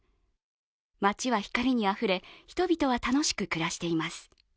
町は光にあふれ、人々は楽しく暮らしています。